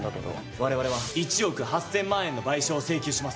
我々は１億８０００万円の賠償を請求します。